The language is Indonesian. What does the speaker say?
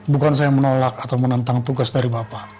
bukan saya menolak atau menentang tugas dari bapak